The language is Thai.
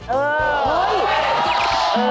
เออเฮ้ย